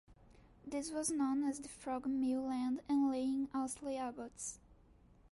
This was known as The Frog Mill land and lay in Astley Abbotts.